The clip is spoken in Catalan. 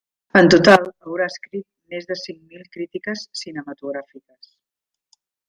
En total, haurà escrit més de cinc mil crítiques cinematogràfiques.